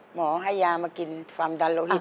หมอให้ยามากินฟาร์มดันแล้ว